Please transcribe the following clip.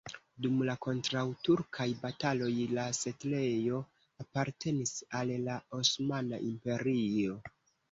Dum la kontraŭturkaj bataloj la setlejo apartenis al la Osmana Imperio.